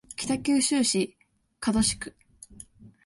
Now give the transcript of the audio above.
北九州市門司区